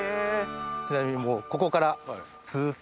ちなみにもうここからずっと。